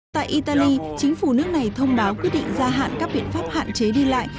tại italy chính phủ nước này thông báo quyết định gia hạn các biện pháp hạn chế đi lại